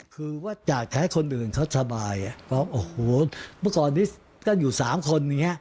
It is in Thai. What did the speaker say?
คือว่าจากให้คนอื่นเขาสบายอ่ะก็โอ้โหประกอบนี้ก็อยู่๓คนอย่างนี้